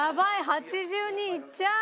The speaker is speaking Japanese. ８２いっちゃう。